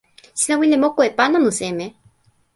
sina wile moku e pan anu seme?